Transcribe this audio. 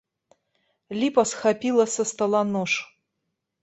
Ліпа схапіла са стала нож.